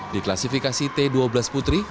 di klasifikasi t dua belas putri